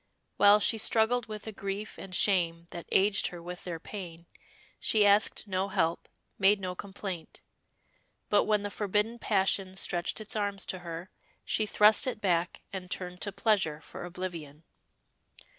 While she struggled with a grief and shame that aged her with their pain, she asked no help, made no complaint; but when the forbidden passion stretched its arms to her, she thrust it back and turned to pleasure for oblivion.